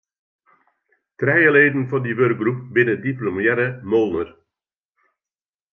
Trije leden fan dy wurkgroep binne diplomearre moolner.